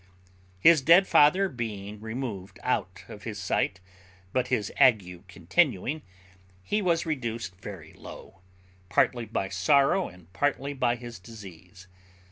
His dead father being thus removed out of his sight, but his ague continuing, he was reduced very low, partly by sorrow and partly by his disease.